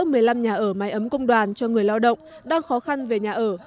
mở máy ấm công đoàn cho người lao động đang khó khăn về nhà ở